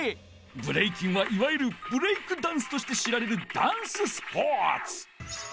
ブレイキンはいわゆるブレイクダンスとして知られるダンススポーツ！